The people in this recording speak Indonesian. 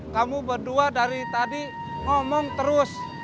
kamu berdua dari tadi ngomong terus